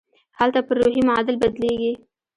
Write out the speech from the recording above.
هلته پر روحي معادل بدلېږي.